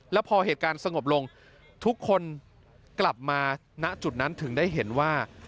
แล้วพอเหตุการณ์สงบลงทุกคนกลับมาณจุดนั้นถึงได้เห็นว่า